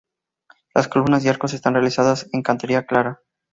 Las columnas y arcos están realizadas en cantería clara.